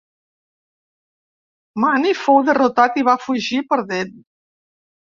Mani fou derrotat i va fugir, perdent.